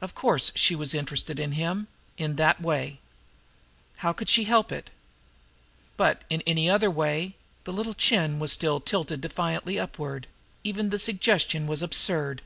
Of course, she was interested in him in that way. How could she help it? But in any other way the little chin was still tilted defiantly upward even the suggestion was absurd.